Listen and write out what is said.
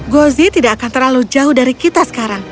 gozi tidak akan terlalu jauh dari kita sekarang